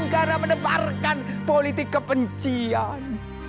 karena mendebarkan politik kepencian aku muak dengan